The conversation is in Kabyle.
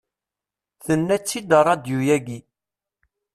Tenna-tt-id rradyu-agi.